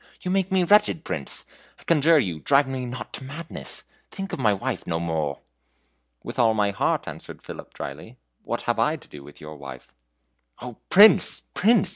You make me wretched, Prince! I conjure you drive me not to madness. Think of my wife no more!" "With all my heart," answered Philip, dryly; "what have I to do with your wife?" "O Prince, Prince!"